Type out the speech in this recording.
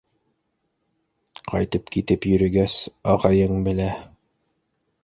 Ҡайтып-китеп йөрөгәс, ағайың белә.